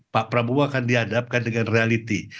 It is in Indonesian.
pak prabowo akan dihadapkan dengan reality